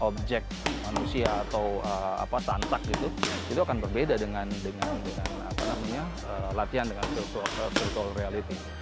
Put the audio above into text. objek manusia atau tansak itu akan berbeda dengan latihan dengan virtual reality